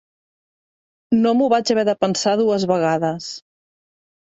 No m'ho vaig haver de pensar dues vegades.